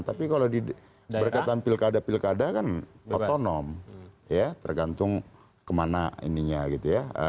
tapi kalau di berkatan pilkada pilkada kan otonom tergantung kemana ininya gitu ya